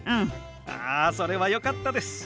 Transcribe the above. あそれはよかったです。